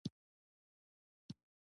د پوځ قوماندانانو پر هرات د حملې امر ورکړ.